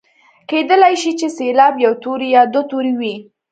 کیدلای شي چې سېلاب یو توری یا دوه توري وي.